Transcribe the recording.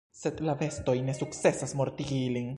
Sed la bestoj ne sukcesas mortigi ilin.